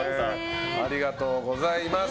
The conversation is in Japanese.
ありがとうございます。